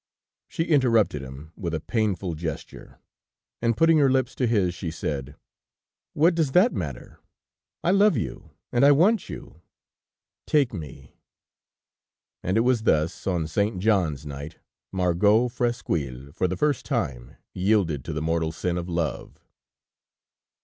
She interrupted him with a painful gesture, and putting her lips to his, she said: "What does that matter? I love you, and I want you ... Take me ..." And it was thus, on St. John's night, Margot Fresquyl for the first time yielded to the mortal sin of love.